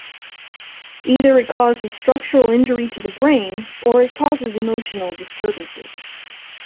Either it causes structural injury to the brain, or it causes emotional disturbances.